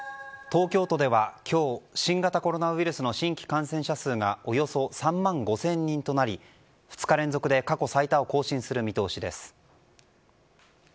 東京都では今日新型コロナウイルスの新規感染者数がおよそ３万５０００人となり２日連続で過去最多を更新する見通しです。